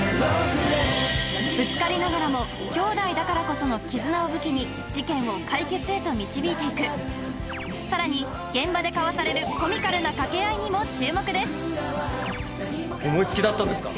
ぶつかりながらも兄弟だからこその絆を武器に事件を解決へと導いていくさらに現場で交わされる思いつきだったんですか？